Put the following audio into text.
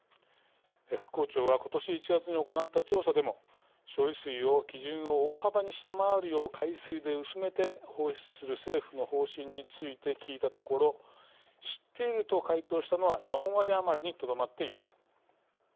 復興庁は、ことし１月に行った調査でも処理水を基準を大幅に下回るよう海水で薄めて放出する政府の方針について聞いたところ知っていると回答したのは４割余りにとどまっています。